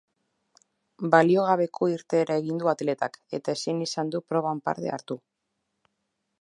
Baliogabeko irteera egin du atletak eta ezin izan du proban parte hartu.